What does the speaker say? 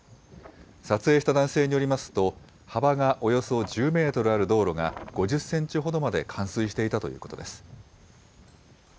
撮影した男性によりますと、幅がおよそ１０メートルある道路が５０センチほどまで冠水していたということです。